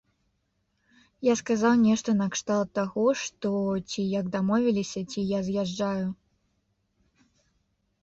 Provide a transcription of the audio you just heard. Я сказаў нешта накшталт таго, што, ці як дамовіліся, ці я з'язджаю.